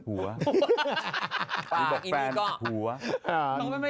พี่หมอ